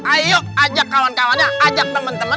ayo ajak temen temen